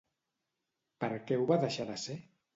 Per què ho va deixar de ser?